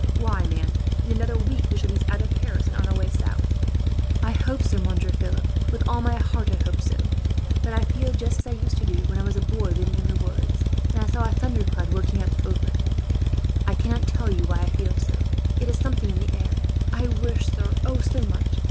"Why, man, in another week we shall be out of Paris, and on our way south." "I hope so, Monsieur Philip, with all my heart I hope so; but I feel just as I used to do when I was a boy living in the woods, and I saw a thundercloud working up overhead. I cannot tell you why I feel so. It is something in the air. I wish sir, oh, so much!